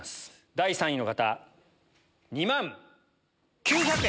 第３位の方２万９００円。